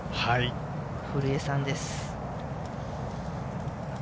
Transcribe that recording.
古江さんです。